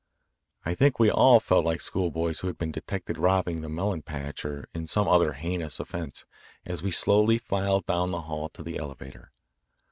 I think we all felt like schoolboys who had been detected robbing a melon patch or in some other heinous offence, as we slowly filed down the hall to the elevator.